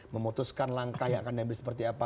memutuskan langkah yang akan diambil seperti apa